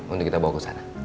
untuk kita bawa ke sana